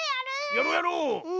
やろうやろう！